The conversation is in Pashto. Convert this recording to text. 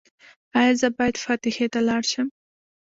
ایا زه باید فاتحې ته لاړ شم؟